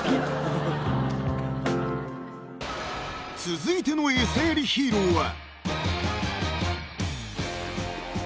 ［続いてのエサやりヒーローは］